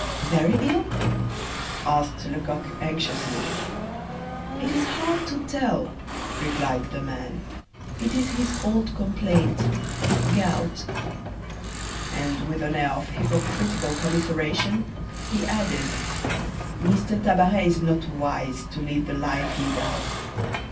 "Very ill?" asked Lecoq anxiously. "It is hard to tell," replied the man: "it is his old complaint gout." And with an air of hypocritical commiseration, he added: "M. Tabaret is not wise to lead the life he does.